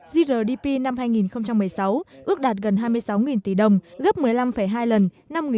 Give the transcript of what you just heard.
grdp năm hai nghìn một mươi sáu ước đạt gần hai mươi sáu tỷ đồng gấp một mươi năm hai lần năm một nghìn chín trăm chín mươi bảy